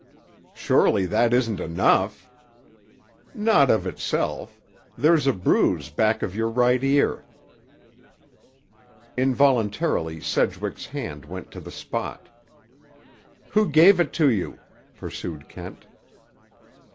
"Surely that isn't enough?" "Not of itself. There's a bruise back of your right ear." Involuntarily Sedgwick's hand went to the spot. "Who gave it to you?" pursued Kent.